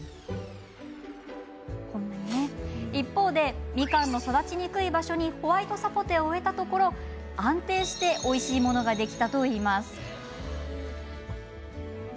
一方でみかんの育ちにくい場所にホワイトサポテを植えたところ安定しておいしいものができたといいます。